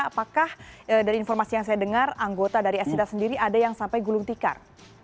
apakah dari informasi yang saya dengar anggota dari esita sendiri ada yang sampai gulung tikar